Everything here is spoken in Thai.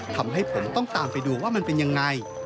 ทำให้ผมต้องตามไปดูว่ามันเป็นยังไง